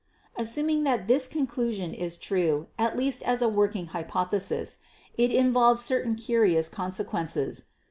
"Assuming that this conclusion is true, at least as a working hypothesis, it involves certain curious conse quences.